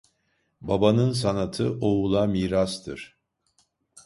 Babanın sanatı oğula mirastır.